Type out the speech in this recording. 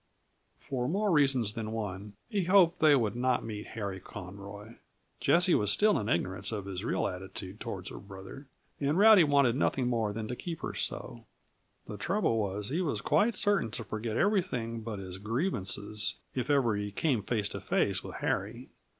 For more reasons than one he hoped they would not meet Harry Conroy. Jessie was still in ignorance of his real attitude toward her brother, and Rowdy wanted nothing more than to keep her so. The trouble was that he was quite certain to forget everything but his grievances, if ever he came face to face with Harry.